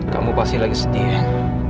kamu pasti lagi sedih